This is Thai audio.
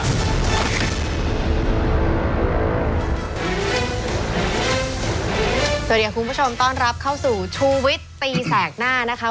สวัสดีคุณผู้ชมต้อนรับเข้าสู่ชูวิตตีแสกหน้านะคะ